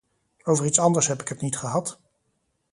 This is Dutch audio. Over iets anders heb ik het niet gehad.